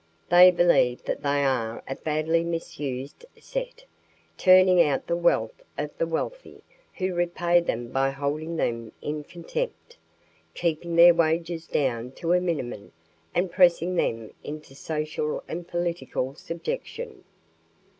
They believe that they are a badly misused set, turning out the wealth of the wealthy, who repay them by holding them in contempt, keeping their wages down to a minimum and pressing them into social and political subjection."